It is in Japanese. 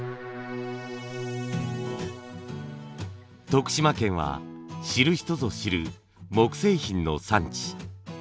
徳島県は知る人ぞ知る木製品の産地。